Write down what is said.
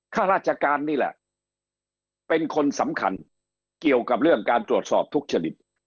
ข้าราชการนี่แหละเป็นคนสำคัญเกี่ยวกับเรื่องการตรวจสอบทุกชนิด